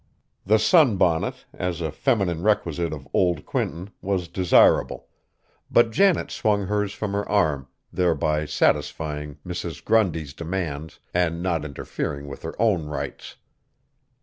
The sunbonnet, as a feminine requisite of old Quinton, was desirable; but Janet swung hers from her arm, thereby satisfying Mrs. Grundy's demands and not interfering with her own rights.